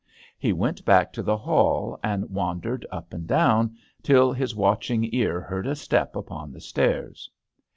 He went back to the hall and wan dered up and down, till his watching ear heard a step upon the stairs.